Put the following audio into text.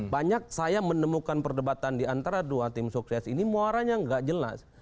banyak saya menemukan perdebatan diantara dua tim sukses ini muaranya nggak jelas